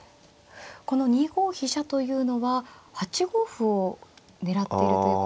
この２五飛車というのは８五歩を狙ってるということですか。